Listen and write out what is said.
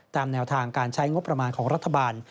ตามแนวทางการใช้งบประมาณของรัฐบาล